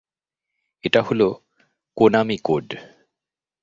এটা হল Konami code.